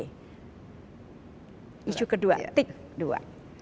isu kedua titik dua